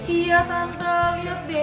iya tante liat deh